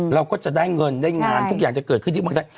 เราก็จะได้เงินได้งานทุกอย่างจะเกิดขึ้นที่เมืองไทย